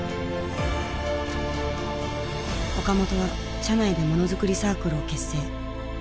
岡本は社内でモノづくりサークルを結成。